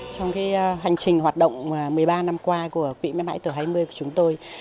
trong hành trình hoạt động một mươi ba năm qua của quỹ mãi mãi tuổi hai mươi của chúng tôi